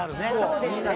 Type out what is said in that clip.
そうですね。